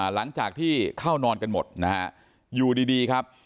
หลังจากที่เข้านอนกันหมดนะฮะอยู่ดีครับ